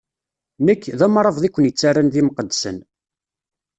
Nekk, d amṛabeḍ i ken-ittarran d imqeddsen.